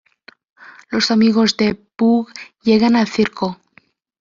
Los amigos de Boog llegan al circo.